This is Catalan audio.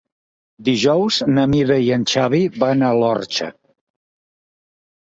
Dijous na Mira i en Xavi van a l'Orxa.